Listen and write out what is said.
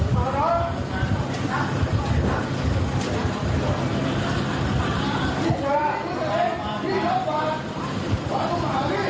กรณีในบาส